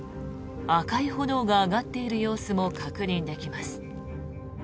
赤い炎が上がっている様子も確認できます。